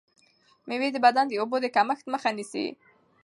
مېوې د بدن د اوبو د کمښت مخه نیسي.